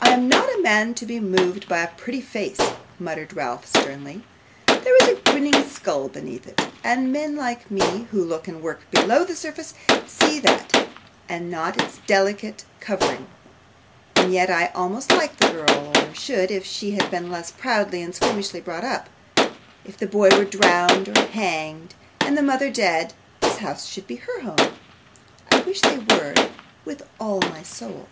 'I am not a man to be moved by a pretty face,' muttered Ralph sternly. 'There is a grinning skull beneath it, and men like me who look and work below the surface see that, and not its delicate covering. And yet I almost like the girl, or should if she had been less proudly and squeamishly brought up. If the boy were drowned or hanged, and the mother dead, this house should be her home. I wish they were, with all my soul.